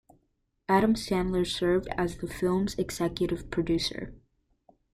Adam Sandler served as the film's executive producer.